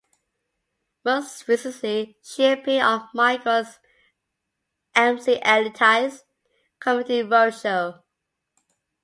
Most recently, she appeared on 'Michael McIntyre's Comedy Roadshow'.